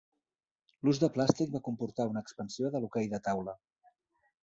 L'ús de plàstic va comportar una expansió de l'hoquei de taula.